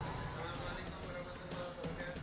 pembelian saham pemerintah provinsi dki jakarta